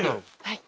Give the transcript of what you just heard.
はい。